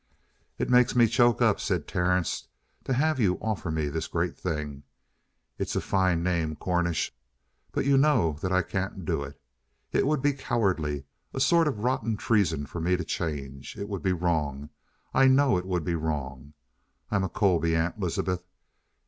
"It makes me choke up," said Terence, "to have you offer me this great thing. It's a fine name, Cornish. But you know that I can't do it. It would be cowardly a sort of rotten treason for me to change. It would be wrong. I know it would be wrong. I'm a Colby, Aunt Elizabeth.